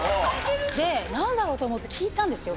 で何だろう？と思って聞いたんですよ。